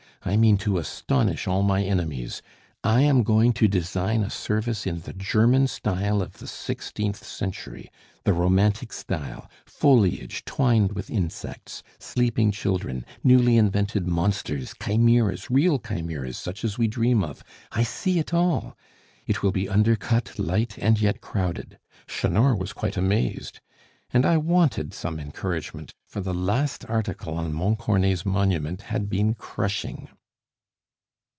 I mean to astonish all my enemies. I am going to design a service in the German style of the sixteenth century; the romantic style: foliage twined with insects, sleeping children, newly invented monsters, chimeras real chimeras, such as we dream of! I see it all! It will be undercut, light, and yet crowded. Chanor was quite amazed. And I wanted some encouragement, for the last article on Montcornet's monument had been crushing."